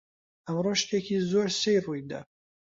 ئەمڕۆ شتێکی زۆر سەیر ڕووی دا.